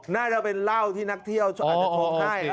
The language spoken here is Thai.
น่าจะเป็นเหล้าที่นักเที่ยวอาจจะชงให้